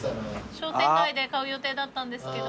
商店街で買う予定だったんですけど。